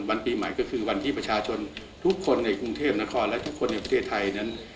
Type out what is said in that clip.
ปีใหม่ก็คือวันที่ประชาชนทุกคนในกรุงเทพนครและทุกคนในประเทศไทยนั้น